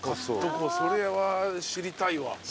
それは知りたいわ。